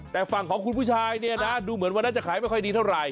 แต่ฝั่งของคุณผู้ชายเนี่ยนะดูเหมือนวันนั้นจะขายไม่ค่อยดีเท่าไหร่